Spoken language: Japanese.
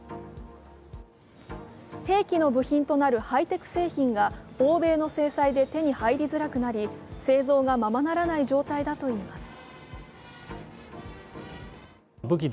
兵器の部品となるハイテク製品が欧米の制裁で手に入りづらくなり製造がままならない状態だといいます。